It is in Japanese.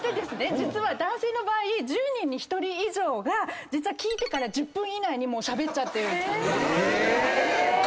実は男性の場合１０人に１人以上が聞いてから１０分以内にもうしゃべっちゃってるんです。